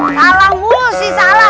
salah mulu sih salah